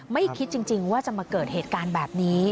ไม่คิดจริงว่าจะมาเกิดเหตุการณ์แบบนี้